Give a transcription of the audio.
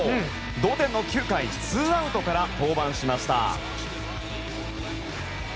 同点の９回ツーアウトから登板しました。